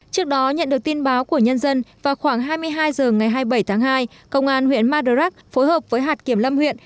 trước đó nhận được tin báo của nhân dân vào khoảng hai mươi hai h ngày hai mươi bảy tháng hai công an huyện madurak phối hợp với hạt kiểm lâm huyện